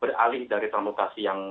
beralih dari transportasi yang